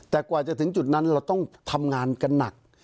แต่กว่าจะถึงจุดนั้นเราต้องทำงานกันหนัก